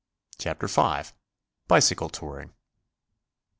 CHAPTER V. BICYCLE TOURING.